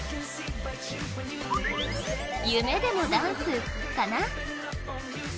夢でもダンスかな？